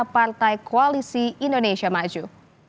partai koalisi indonesia maju